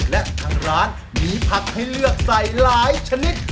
และทางร้านมีผักให้เลือกใส่หลายชนิด